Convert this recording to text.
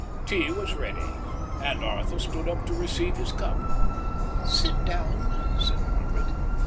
Tea was ready, and Arthur stood up to receive his cup. "Sit down," said Margaret.